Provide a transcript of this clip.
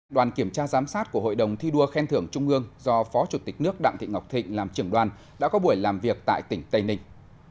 đoàn kiểm tra giám sát của hội đồng thi đua khen thưởng trung ương do phó chủ tịch nước đặng thị ngọc thịnh làm trưởng đoàn đã có buổi làm việc tại tỉnh tây ninh